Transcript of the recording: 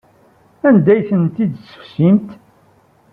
Anda ay tent-id-tefsimt?